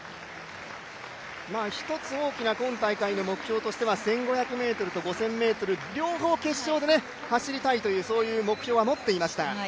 一つ今大会の大きな目標は１５００ｍと５０００ｍ、両方決勝で走りたいというそういう目標は持っていました。